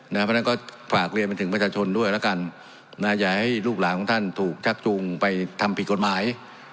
เพราะฉะนั้นก็ฝากเรียนไปถึงประชาชนด้วยแล้วกันอย่าให้ลูกหลานของท่านถูกชักจูงไปทำผิดกฎหมาย